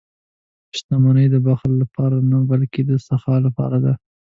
• شتمني د بخل لپاره نه، بلکې د سخا لپاره ده.